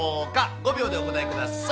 ５秒でお答えください。